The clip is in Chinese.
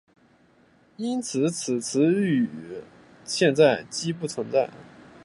因此此词语现在几不存在。